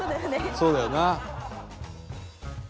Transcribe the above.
そうだよな。